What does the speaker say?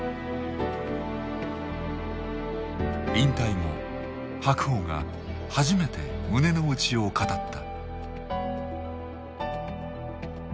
引退後白鵬が初めて胸の内を語った。